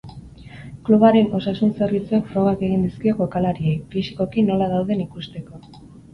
Klubaren osasun-zerbitzuek frogak egin dizkie jokalariei, fisikoki nola dauden ikusteko.